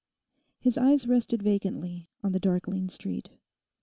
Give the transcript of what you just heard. His eyes rested vacantly on the darkling street.